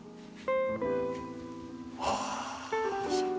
はあ。